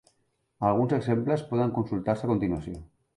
Alguns exemples poden consultar-se a continuació.